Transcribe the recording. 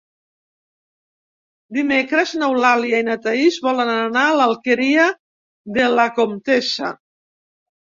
Dimecres n'Eulàlia i na Thaís volen anar a l'Alqueria de la Comtessa.